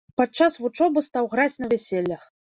Падчас вучобы стаў граць на вяселлях.